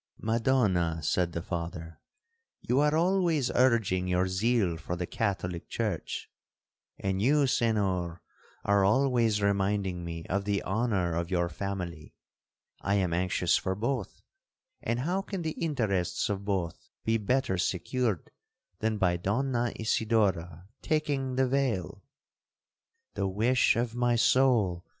'Madonna,' said the Father, 'you are always urging your zeal for the Catholic church—and you, Senhor, are always reminding me of the honour of your family—I am anxious for both—and how can the interests of both be better secured than by Donna Isidora taking the veil?'—'The wish of my soul!'